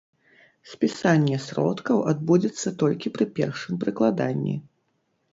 Спісанне сродкаў адбудзецца толькі пры першым прыкладанні.